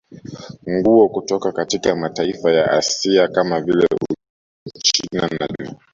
Nguo kutoka katika mataifa ya Asia kama vile Uchina na Japani